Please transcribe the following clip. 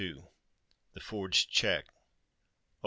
THE FORGED CHEQUE. Oh!